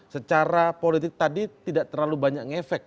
secara politik tadi tidak terlalu banyak ngefek